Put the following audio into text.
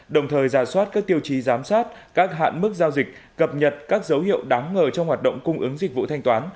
đồng thời giả soát các tiêu chí giám sát các hạn mức giao dịch cập nhật các dấu hiệu đáng ngờ trong hoạt động cung ứng dịch vụ thanh toán